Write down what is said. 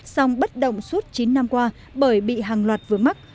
xong bất động suốt chín năm qua bởi bị hàng loạt vướng mắt